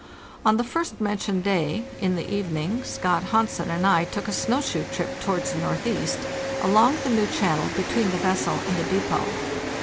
On the first mentioned day, in the evening, Scott Hansen and I took a snow shoe trip towards the northeast, along the new channel between the vessel and the depot.